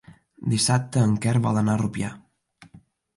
Dissabte en Quer vol anar a Rupià.